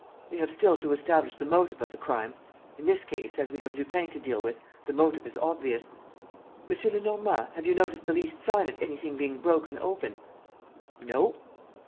... We have still to establish the motive of the crime. ... In this case, as we have Lupin to deal with, the motive is obvious. M. Lenormand, have you noticed the least sign of anything being broken open?" "No."